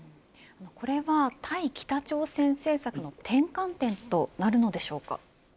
これは、対北朝鮮政策の転換点となるのでしょうか。